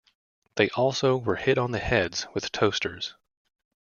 They also were hit on the heads with toasters.